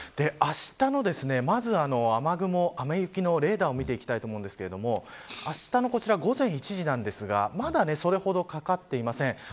あしたの雨雲、雨雪のレーダーを見ていきたいんですがあしたのこちら、午前１時ですがまだそれほどかかっていません。